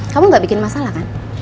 kamu gak bikin masalah kan